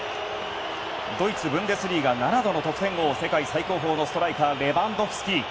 ドイツ・ブンデスリーガ７度の得点王世界最高峰のストライカーレバンドフスキ。